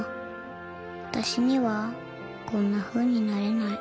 私にはこんなふうになれない。